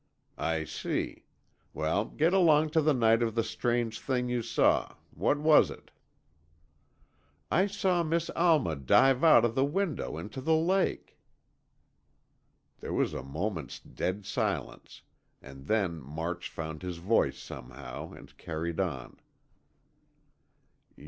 "I see. Well, get along to the night of the strange thing you saw. What was it?" "I saw Miss Alma dive out of the window into the lake." There was a moment's dead silence and then March found his voice somehow, and carried on.